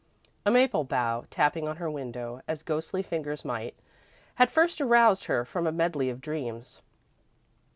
A maple bough, tapping on her window as ghostly fingers might, had first aroused her from a medley of dreams.